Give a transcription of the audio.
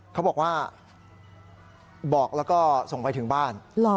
เขาบอกบอกแล้วก็ส่งไปถึงบ้าน